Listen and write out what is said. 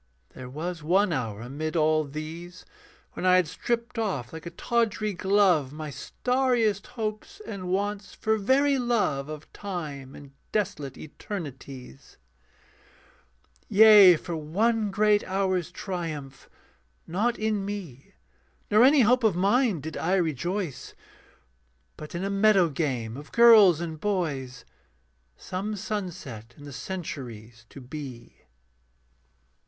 There was one hour amid all these When I had stripped off like a tawdry glove My starriest hopes and wants, for very love Of time and desolate eternities. Yea, for one great hour's triumph, not in me Nor any hope of mine did I rejoice, But in a meadow game of girls and boys Some sunset in the centuries to be.